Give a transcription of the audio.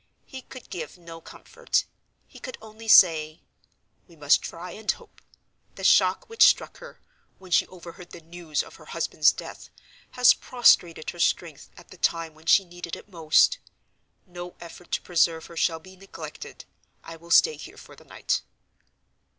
He could give no comfort: he could only say, "We must try, and hope. The shock which struck her, when she overheard the news of her husband's death, has prostrated her strength at the time when she needed it most. No effort to preserve her shall be neglected. I will stay here for the night."